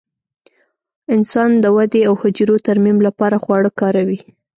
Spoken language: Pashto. انسان د ودې او حجرو ترمیم لپاره خواړه کاروي.